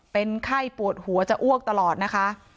เป็นไข้ปวดหัวจะอ้วกตลอดนะคะ